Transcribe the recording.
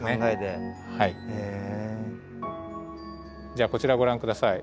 じゃあこちらご覧下さい。